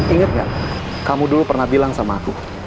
ingat gak kamu dulu pernah bilang sama aku